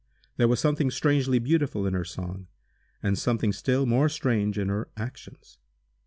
There was something strangely beautiful in her song, and something still more strange in her actions.